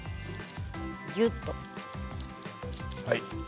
ぎゅっと。